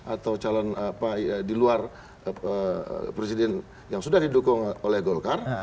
atau calon apa di luar presiden yang sudah didukung oleh golkar